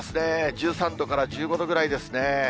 １３度から１５度ぐらいですね。